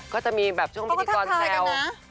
ก็จะมีแบบช่วงพิธีกรแซว